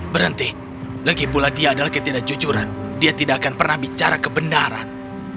berhenti lagi pula dia adalah ketidakjujuran dia tidak akan pernah bicara kebenaran